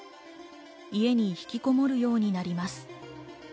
家に引きこもるようになります。